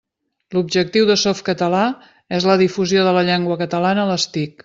L'objectiu de Softcatalà és la difusió de la llengua catalana a les TIC.